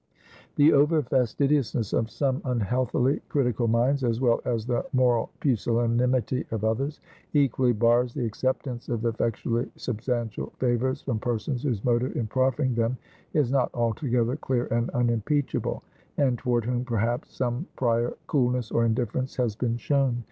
The over fastidiousness of some unhealthily critical minds, as well as the moral pusillanimity of others, equally bars the acceptance of effectually substantial favors from persons whose motive in proffering them, is not altogether clear and unimpeachable; and toward whom, perhaps, some prior coolness or indifference has been shown.